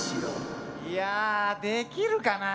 いやできるかなあ。